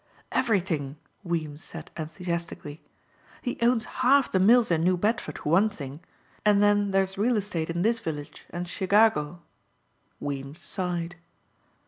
"Everything," Weems said enthusiastically. "He owns half the mills in New Bedford for one thing. And then there's real estate in this village and Chicago." Weems sighed.